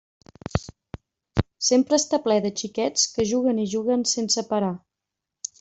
Sempre està ple de xiquets que juguen i juguen sense parar.